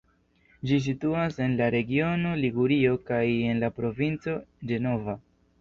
Ĝi situas en la regiono Ligurio kaj en la provinco Ĝenova.